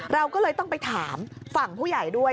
เราก็เลยต้องไปถามฝั่งผู้ใหญ่ด้วย